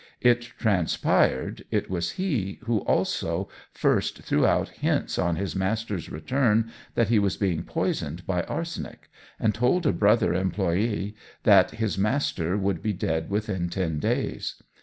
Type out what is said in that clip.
It transpired, it was he who also first threw out hints on his master's return that he was being poisoned by arsenic, and told a brother employé that his master would be dead within ten days.